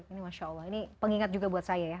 ini masya allah ini pengingat juga buat saya ya